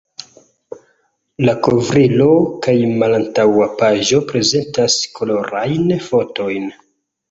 La kovrilo kaj malantaŭa paĝo prezentas kolorajn fotojn.